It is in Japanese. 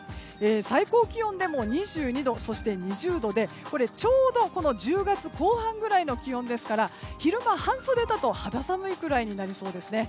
最高気温でも２２度そして２０度で、これちょうどこの１０月後半ぐらいの気温ですから昼間、半袖だと肌寒いくらいになりそうです。